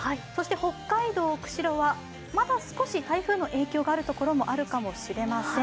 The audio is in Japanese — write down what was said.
北海道・釧路はまだ少し台風の影響がある所があるかもしれません。